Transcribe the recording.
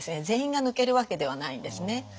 全員が抜けるわけではないんですね。